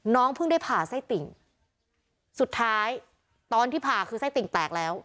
เพิ่งได้ผ่าไส้ติ่งสุดท้ายตอนที่ผ่าคือไส้ติ่งแตกแล้ว